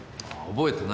覚えてない？